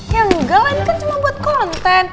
ya enggak ini kan cuma buat konten